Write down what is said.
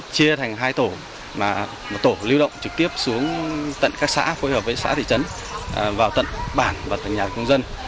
chia thành hai tổ và một tổ lưu động trực tiếp xuống tận các xã phối hợp với xã thị trấn vào tận bản và tận nhà công dân